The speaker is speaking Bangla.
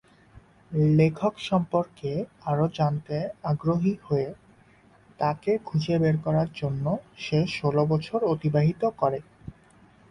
লেখক সম্পর্কে আরো জানতে আগ্রহী হয়ে, তাকে খুঁজে বের করার জন্য সে ষোল বছর অতিবাহিত করে।